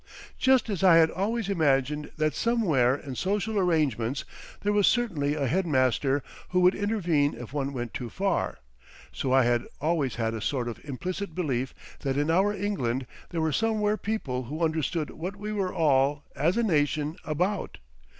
Just as I had always imagined that somewhere in social arrangements there was certainly a Head Master who would intervene if one went too far, so I had always had a sort of implicit belief that in our England there were somewhere people who understood what we were all, as a nation, about.